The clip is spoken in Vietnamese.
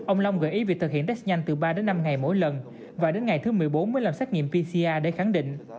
ông long gợi ý việc thực hiện test nhanh từ ba đến năm ngày mỗi lần và đến ngày thứ một mươi bốn mới làm xét nghiệm pcr để khẳng định